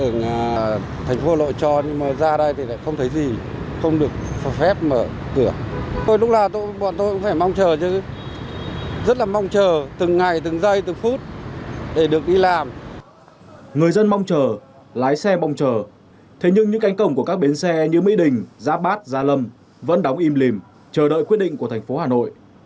người dân mong chờ lái xe mong chờ thế nhưng những cánh cổng của các bến xe như mỹ đình gia bát gia lâm vẫn đóng im lìm chờ đợi quyết định của thành phố hà nội